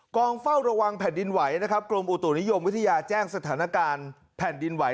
เฝ้าระวังแผ่นดินไหวนะครับกรมอุตุนิยมวิทยาแจ้งสถานการณ์แผ่นดินไหว